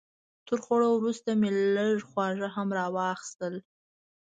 تر خوړو وروسته مې لږ خواږه هم راواخیستل.